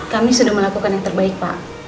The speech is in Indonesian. kami sudah melakukan yang terbaik pak